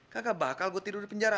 kakak bakal gue tidur di penjara